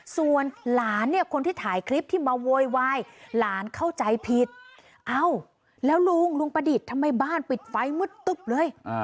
ส่วนหลานเนี่ยคนที่ถ่ายคลิปที่มาโวยวายหลานเข้าใจผิดเอ้าแล้วลุงลุงประดิษฐ์ทำไมบ้านปิดไฟมืดตึ๊บเลย